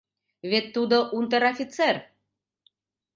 Вет тудо унтер-офицер.